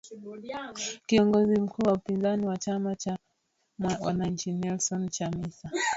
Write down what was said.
kiongozi mkuu wa upinzani wa chama cha wananchi Nelson Chamisa alitakiwa kuhutubia wafuasi wake Jumamosi